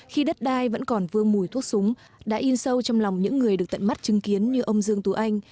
khi đất đai vẫn còn vương mùi thuốc súng đã in sâu trong lòng những người được tận mắt chứng kiến như ông dương tú anh